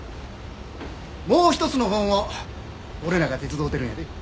もう一つのほうも俺らが手伝うてるんやで。